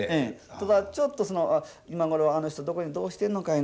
ただちょっとその「今頃あの人どこでどうしてるのかいな？